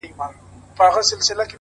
o زما گلاب زما سپرليه؛ ستا خبر نه راځي؛